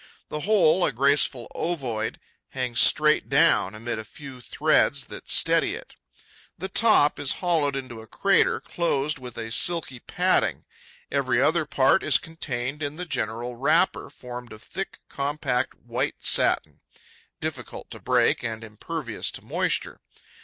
The whole, a graceful ovoid, hangs straight down, amid a few threads that steady it. The top is hollowed into a crater closed with a silky padding. Every other part is contained in the general wrapper, formed of thick, compact white satin, difficult to break and impervious to moisture.